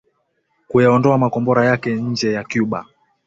kuyaondoa makombora yake nje ya Cuba